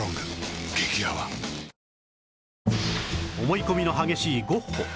思い込みの激しいゴッホ